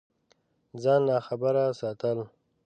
ځان ناخبره ساتل